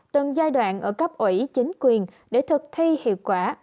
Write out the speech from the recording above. từng giai đoạn ở cấp ủy chính quyền để thực thi hiệu quả